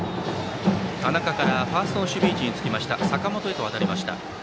田中からファーストの守備位置につきました坂本へと渡りました。